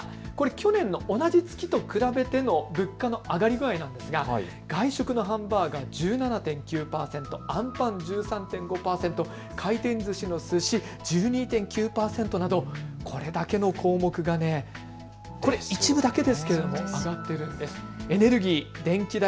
去年と同じ月をまとめての物価の上がり具合ですが外食のハンバーガー１７．９％、あんパン１３．５％、回転ずしのすし１２．９％などこれだけの項目がこれ一部だけですが、上がっているんです。